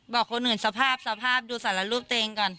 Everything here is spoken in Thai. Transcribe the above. บอกคนอื่นสภาพสภาพดูสารรูปตัวเองก่อน